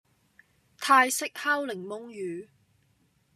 泰式烤檸檬魚